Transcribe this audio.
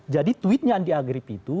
jadi tweetnya andi arief itu